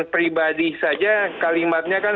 pribadi saja kalimatnya kan